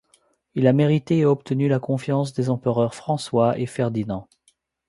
Il a mérité et obtenu la confiance des empereurs François et Ferdinand.